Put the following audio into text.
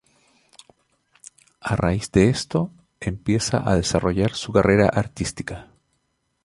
A raíz de esto, empieza a desarrollar su carrera artística.